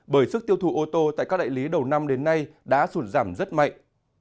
bởi sức tiêu thụ ô tô tại các đại lý đầu năm đến nay đã sụt giảm rất mạnh